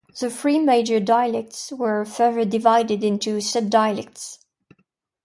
The three major dialects were further divided into subdialects.